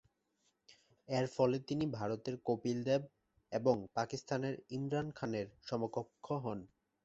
এরফলে তিনি ভারতের কপিল দেব এবং পাকিস্তানের ইমরান খানের সমকক্ষ হন।